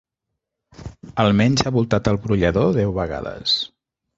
Almenys ha voltat el brollador deu vegades.